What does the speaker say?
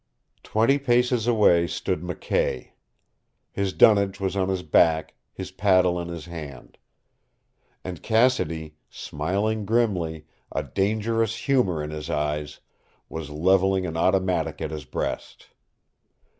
Twenty paces away stood McKay. His dunnage was on his back, his paddle in his hand. And Cassidy, smiling grimly, a dangerous humor in his eyes, was leveling an automatic at his breast.